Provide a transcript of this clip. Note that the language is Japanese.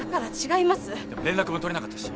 でも連絡もとれなかったし。